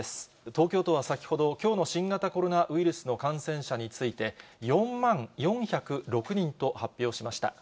東京都は先ほど、きょうの新型コロナウイルスの感染者について、４万４０６人と発表しました。